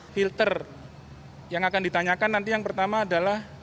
filter yang akan ditanyakan nanti yang pertama adalah